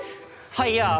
ファイヤー。